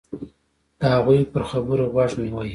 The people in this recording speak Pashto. د هغوی پر خبرو غوږ نیوی.